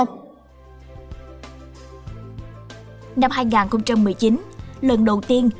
năm hai nghìn một mươi chín lần đầu tiên